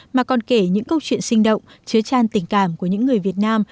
mà còn kể những câu chuyện sinh động chứa tràn tình cảm của những người việt nam